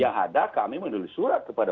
yang ada kami menulis surat kepada